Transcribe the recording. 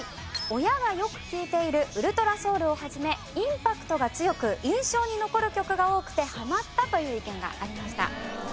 親がよく聴いている『ｕｌｔｒａｓｏｕｌ』を始めインパクトが強く印象に残る曲が多くてハマったという意見がありました。